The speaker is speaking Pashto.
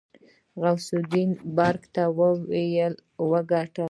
غوث الدين برګ ورته وکتل.